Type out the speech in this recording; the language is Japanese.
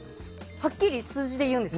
はっきり数字で言うんですか？